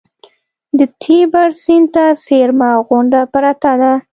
د تیبر سیند ته څېرمه غونډه پرته ده.